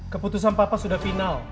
keputusan papa sudah final